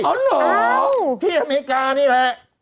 อ๋อเหรออ้าวที่อเมริกานี่แหละ